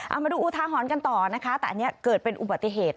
เอามาดูอุทาหรณ์กันต่อนะคะแต่อันนี้เกิดเป็นอุบัติเหตุ